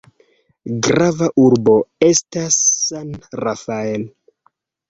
Grava urbo estas San Rafael.